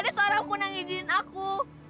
tapi gak ada seorang pun yang ngijinin aku